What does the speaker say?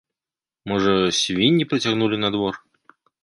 Можа, свінні прыцягнулі на двор.